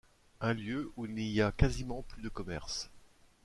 Un lieu où il n’y a quasiment plus de commerces.